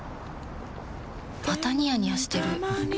またニヤニヤしてるふふ。